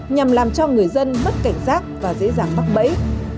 nhằm làm cho người dân mất cảnh giác và dễ dàng mắc bẫy